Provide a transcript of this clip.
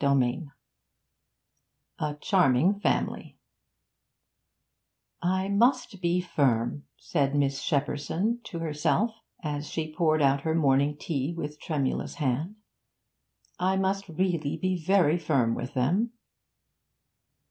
A CHARMING FAMILY 'I must be firm,' said Miss Shepperson to herself, as she poured out her morning tea with tremulous hand. 'I must really be very firm with them.'